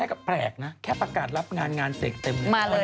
ก็ไปเจอกันในงานเออ